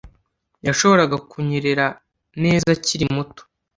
Yashoboraga kunyerera neza akiri muto